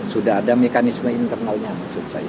sudah ada mekanisme internalnya maksud saya